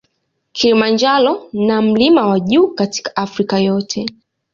Kilimanjaro na mlima wa juu katika Afrika yote.